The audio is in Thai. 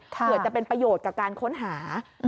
เผื่อจะเป็นประโยชน์กับการค้นหา